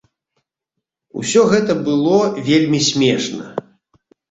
Усё гэта было вельмі смешна.